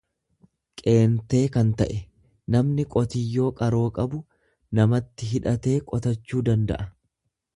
qeentee kan ta'e; Namni qotiyyoo qaroo qabu, namatti hidhatee qotachuu nidanda'a.